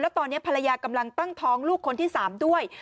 ตอนนี้ภรรยากำลังตั้งท้องลูกคนที่๓ด้วย